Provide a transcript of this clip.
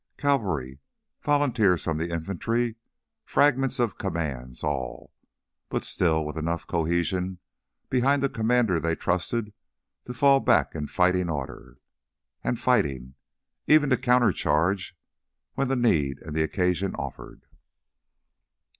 Cavalry, volunteers from the infantry, fragments of commands all, but still with enough cohesion behind a commander they trusted to fall back in fighting order ... and fighting even to countercharge when the need and the occasion offered.